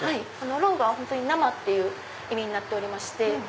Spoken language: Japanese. ローが生っていう意味になっておりまして。